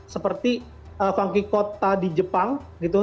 seperti funky kota di jepang gitu